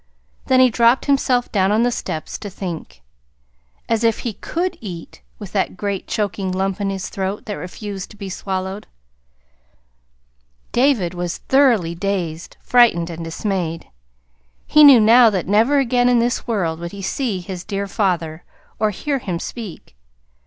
Then he dropped himself down on the steps to think. As if he could EAT with that great choking lump in his throat that refused to be swallowed! David was thoroughly dazed, frightened, and dismayed. He knew now that never again in this world would he see his dear father, or hear him speak.